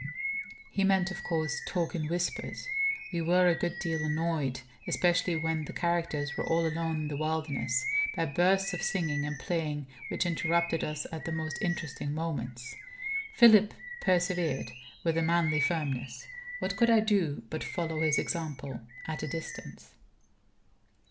He meant, of course, talk in whispers. We were a good deal annoyed especially when the characters were all alone in the wilderness by bursts of singing and playing which interrupted us at the most interesting moments. Philip persevered with a manly firmness. What could I do but follow his example at a distance?